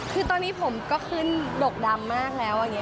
คือตอนนี้ผมก็ขึ้นดกดำมากแล้ว